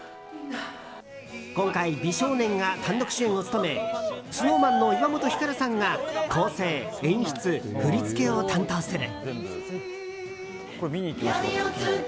今回、美少年が単独主演を務めＳｎｏｗＭａｎの岩本照さんが構成・演出・振り付けを担当する。